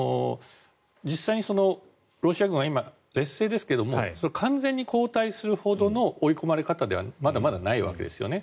実際にロシア軍は今劣勢ですけれども完全に後退するほどの追い込まれ方ではまだまだないわけですね。